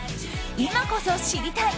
今こそ知りたい！